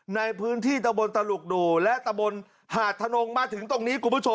ในพื้นที่ตะบนตลุกดุและตะบนหาดถนนมาถึงตรงนี้